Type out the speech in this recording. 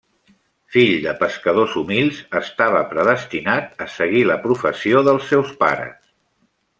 Fill de pescadors humils, estava predestinat a seguir la professió dels seus pares.